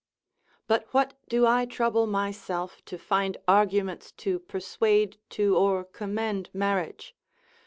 But what do I trouble myself, to find arguments to persuade to, or commend marriage?